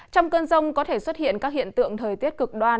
trong cơn rông có thể xuất hiện các hiện tượng thời tiết cực đoan